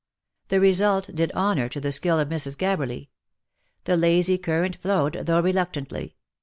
The result did honour to the skill of Mrs. Gab berly. The lazy current flowed, though reluctantly.